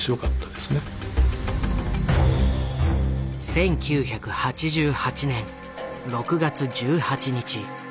１９８８年６月１８日。